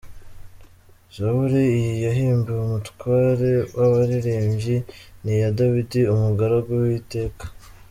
Zaburi iyi yahimbiwe umutware w’abaririmbyi. Ni iya Dawidi, umugaragu w’Uwiteka.